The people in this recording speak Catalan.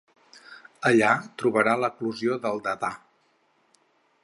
Allà trobarà l'eclosió del Dadà.